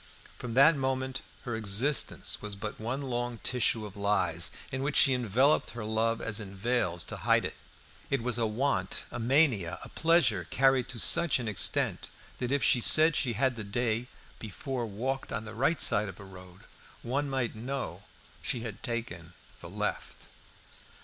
From that moment her existence was but one long tissue of lies, in which she enveloped her love as in veils to hide it. It was a want, a mania, a pleasure carried to such an extent that if she said she had the day before walked on the right side of a road, one might know she had taken the left.